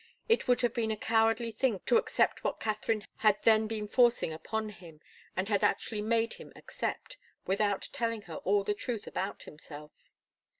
It would have been a cowardly thing to accept what Katharine had then been forcing upon him, and had actually made him accept, without telling her all the truth about himself.